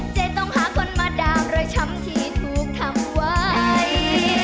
เจ๊ต้องหาคนมาดามรอยช้ำที่ถูกทำไว้